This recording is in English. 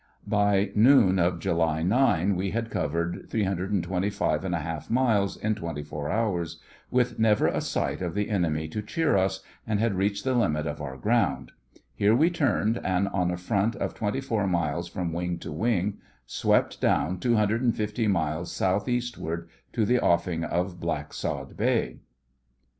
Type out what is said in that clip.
By noon of July 9 we had covered 325½ miles in twenty four hours, with never a sight of the enemy to cheer us, and had reached the limit of our ground. Here we turned, and, on a front of twenty four miles from wing to wing, swept down 250 miles South eastward to the offing of Blacksod Bay.